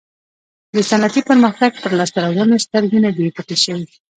د صنعتي پرمختګ پر لاسته راوړنو سترګې نه دي پټې شوې.